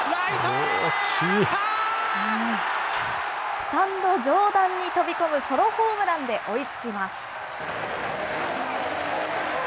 スタンド上段に飛び込むソロホームランで、追いつきます。